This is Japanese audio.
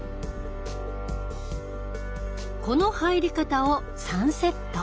この入り方を３セット。